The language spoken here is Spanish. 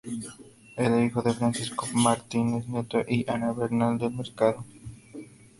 Era hijo de Francisco Martínez Nieto y Ana Bernal del Mercado.